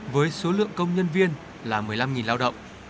với số lượng công nhân viên là một mươi năm lao động